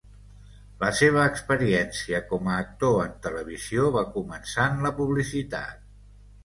La seva experiència com a actor en televisió va començar en la publicitat.